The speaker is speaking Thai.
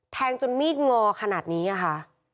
แทงจนมีดงอขนาดนี้ค่ะ